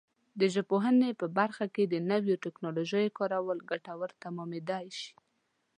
د ژبپوهنې په برخه کې د نویو ټکنالوژیو کارول ګټور تمامېدای شي.